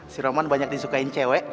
si roman banyak disukain cewek